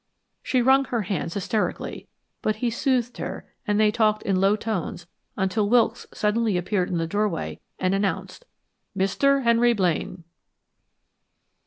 She wrung her hands hysterically, but he soothed her and they talked in low tones until Wilkes suddenly appeared in the doorway and announced: "Mr. Henry Blaine!"